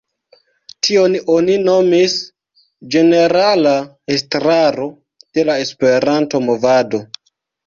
Tion oni nomis "Ĝenerala Estraro de la Esperanto-Movado".